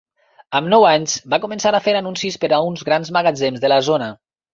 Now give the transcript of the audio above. Amb nou anys va començar a fer anuncis per a uns grans magatzems de la zona.